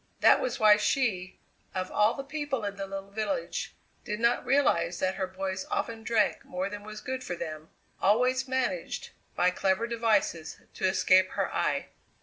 That was why she, of all the people in the little village, did not realize that her boys often drank more than was good for them always managed, by clever devices, to escape her eye.